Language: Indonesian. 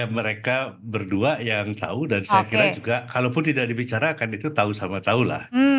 mereka berdua yang tahu dan saya kira juga kalaupun tidak dibicarakan itu tahu sama tahu lah